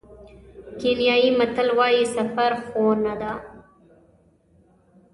کینیايي متل وایي سفر ښوونه ده.